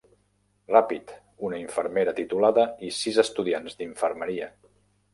Ràpid, una infermera titulada i sis estudiants d'infermeria.